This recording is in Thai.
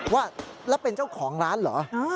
ว่าแล้วเป็นเจ้าของร้านเหรอ